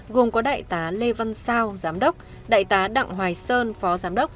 gồm có đại tá lê văn sao giám đốc đại tá đặng hoài sơn phó giám đốc